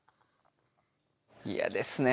いやですね